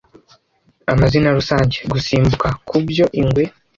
Amazina rusange - Gusimbuka kubyo Ingwe